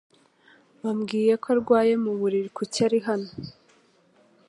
Wambwiye ko arwaye mu buriri. Kuki ari hano?